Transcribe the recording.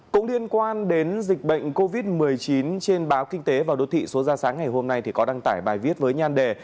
cũng liên quan đến dịch bệnh covid một mươi chín trên báo kinh tế và đô thị số ra sáng ngày hôm nay có đăng tải bài viết với nhan đề